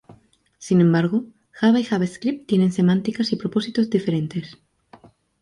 Sin embargo, Java y JavaScript tienen semánticas y propósitos diferentes.